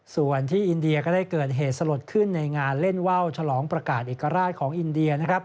ส่วนที่อินเดียก็ได้เกิดเหตุสลดขึ้นในงานเล่นว่าวฉลองประกาศเอกราชของอินเดียนะครับ